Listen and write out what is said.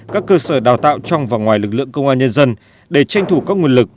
các cơ sở đào tạo trong và ngoài lực lượng công an nhân dân để tranh thủ các nguồn lực